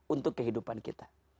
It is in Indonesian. untuk kehidupan kita